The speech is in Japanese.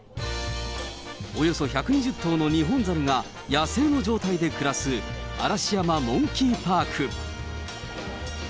およそ１２０頭のニホンザルが野生の状態で暮らす、嵐山モンキーパーク。